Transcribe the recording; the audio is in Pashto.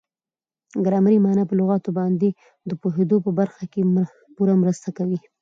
ګرامري مانا په لغاتو باندي د پوهېدو په برخه کښي پوره مرسته کوي.